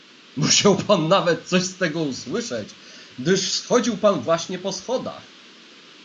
"Musiał pan nawet coś z tego usłyszeć, gdyż schodził pan właśnie po schodach."